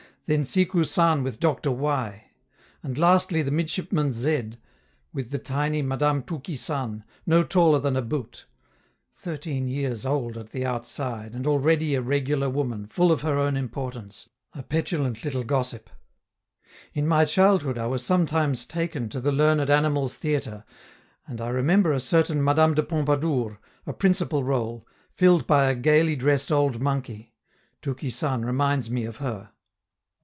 Then Sikou San with Doctor Y ; and lastly the midshipman Z with the tiny Madame Touki San, no taller than a boot: thirteen years old at the outside, and already a regular woman, full of her own importance, a petulant little gossip. In my childhood I was sometimes taken to the Learned Animals Theatre, and I remember a certain Madame de Pompadour, a principal role, filled by a gayly dressed old monkey; Touki San reminds me of her.